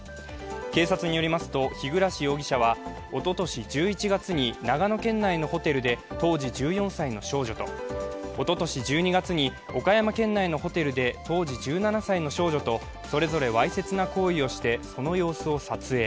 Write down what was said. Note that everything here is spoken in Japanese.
警察によりますと、日暮容疑者はおととし１１月に長野県内のホテルで当時１４歳の少女とおととし１２月に岡山県内のホテルで当時１７歳の少女とそれぞれわいせつな行為をして、その様子を撮影。